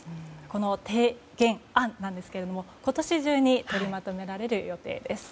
この提言案なんですけれども今年中に取りまとめられる予定です。